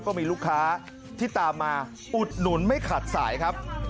ก็มีลูกค้าที่ตามมาอุดหนุนไม่ขาดสายครับ